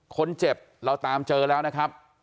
คนเจ็บเราตามเจอแล้วนะครับ